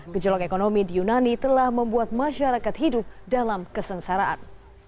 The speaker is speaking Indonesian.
gejolak ekonomi di yunani telah membuat masyarakat hidup dalam kesengsaraan